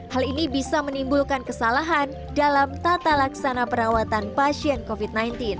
hal ini bisa menimbulkan kesalahan dalam tata laksana perawatan pasien covid sembilan belas